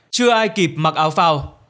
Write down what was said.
chưa ai kịp mặc áo phao